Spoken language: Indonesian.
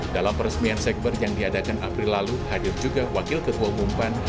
dalam peresmian sekber yang diadakan april lalu hadir juga wakil ketua umum pan